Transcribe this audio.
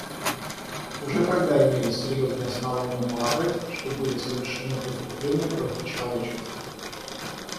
Уже тогда имелись серьезные основания полагать, что были совершены преступления против человечности.